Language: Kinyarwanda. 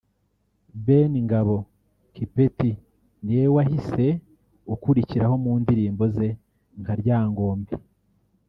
Ben Ngabo Kipeti ni we wahise ukurikiraho mu ndirimbo ze nka ‘Ryangombe